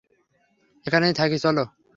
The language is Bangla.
এখানেই থাকি চলো।